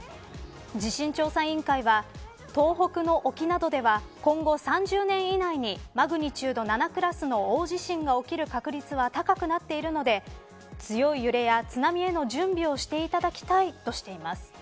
地震調査委員会は東北の沖などでは今後３０年以内にマグニチュード７クラスの大地震が起きる確率は高くなっているので強い揺れや津波への準備をしていただきたいとしています。